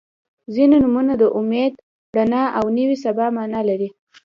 • ځینې نومونه د امید، رڼا او نوې سبا معنا لري.